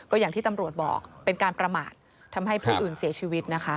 ก็อย่างที่ตำรวจบอกเป็นการประมาททำให้ผู้อื่นเสียชีวิตนะคะ